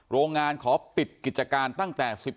โรงงานขอปิดกิจการตั้งแต่๑๕